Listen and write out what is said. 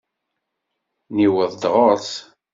Niweḍ ɣer-s.